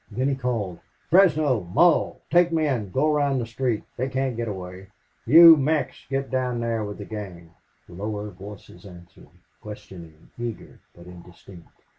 Then he called: "Fresno Mull take men go around the street. They can't get away ... You, Mex, get down in there with the gang." Lower voices answered, questioning, eager, but indistinct.